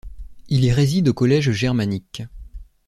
Il y réside au collège germanique.